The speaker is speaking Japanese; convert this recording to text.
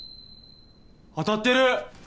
当たってる！